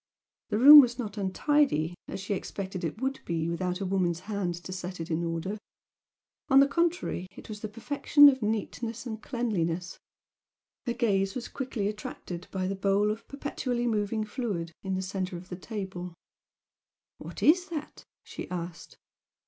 The room was not untidy, as she expected it would be without a woman's hand to set it in order, on the contrary it was the perfection of neatness and cleanliness. Her gaze was quickly attracted by the bowl of perpetually moving fluid in the center of the table. "What is that?" she asked.